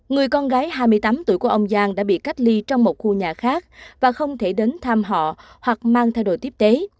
người con gái hai mươi tám tuổi của ông giang đã bị cách ly trong một khu nhà khác và không thể đến thăm họ hoặc mang theo đồ tiếp tế